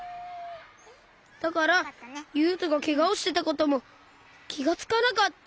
だからゆうとがけがをしてたこともきがつかなかった。